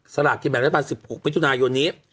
สละที่๑๙๑๖มิจุนายนนี้